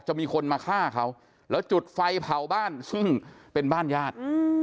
มีคนมาฆ่าเขาแล้วจุดไฟเผาบ้านซึ่งเป็นบ้านญาติ